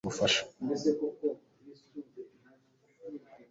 amafaranga yishyurwa serivisi z'ubufasha